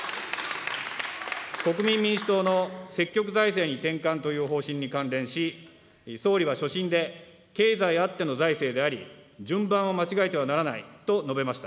国民民主党の積極財政に転換という方針に関連し、総理は所信で、経済あっての財政であり、順番を間違えてはならないと述べました。